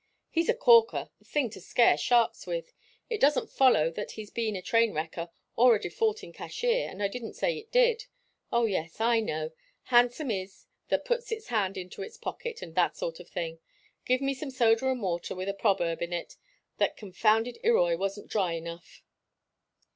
He's a corker, a thing to scare sharks with it doesn't follow that he's been a train wrecker or a defaulting cashier, and I didn't say it did. Oh, yes I know handsome is that puts its hand into its pocket, and that sort of thing. Give me some soda water with a proverb in it that confounded Irroy wasn't dry enough."